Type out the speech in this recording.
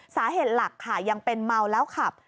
สาเหตุหลักค่ะยังเป็นเมาแล้วขับ